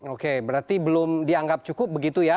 oke berarti belum dianggap cukup begitu ya